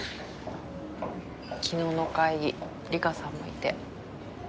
昨日の会議梨花さんもいて。